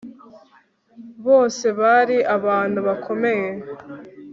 Bose bari abantu bakomeye